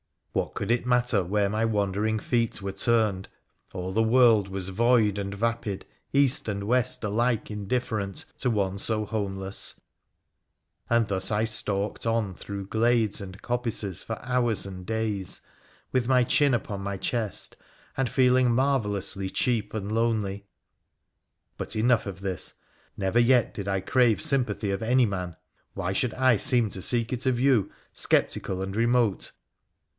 What could it matter where my wandering feet were turned? All the world was void and vapid, east and west alike indifferent, to one so homeless, and thus I stalked on 126 WONDERFUL ADVENTURES OF through glades and coppices for hours and days, with my chin upon my chest, and feeling marvellously cheap and lonely. But enough of this. Never yet did I crave sympathy of any man : why should I seem to seek it of you — sceptical and remote